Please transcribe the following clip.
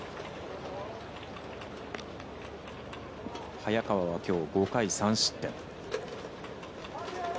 早川は、きょう５回３失点。